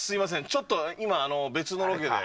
ちょっと今、別のロケで。